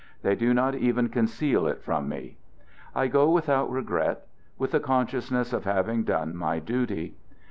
They do not even conceal it from me. I go without regret, with the consciousness of having done my duty.